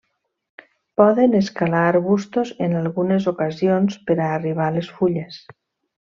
Poden escalar arbustos en algunes ocasions per a arribar a les fulles.